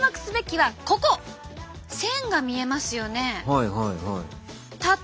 はいはいはい。